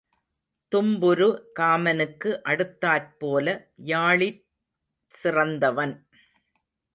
தும்புரு காமனுக்கு அடுத்தாற்போல யாழிற் சிறந்தவன்.